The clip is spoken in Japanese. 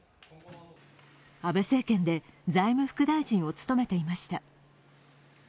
安倍政権で財務副大臣を務めていました。